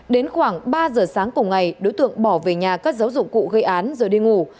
đến khoảng ba giờ sáng cùng ngày đối tượng bỏ về nhà cất giấu dụng cụ gây án rồi đi ngủ